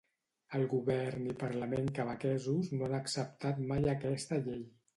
El govern i parlament quebequesos no han acceptat mai aquesta llei.